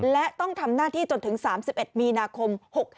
และต้องทำหน้าที่จนถึง๓๑มีนาคม๖๕